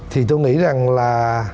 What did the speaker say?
thì tôi nghĩ rằng là